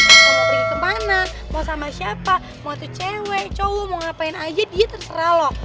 mau pergi kemana mau sama siapa mau tuh cewek cowok mau ngapain aja dia terserah loh